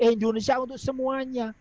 indonesia untuk semuanya